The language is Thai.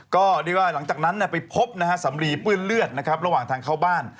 ก็เรียกว่าหลังจากนั้นไปพบนะฮะสำลีเปื้อนเลือดนะครับระหว่างทางเข้าบ้าน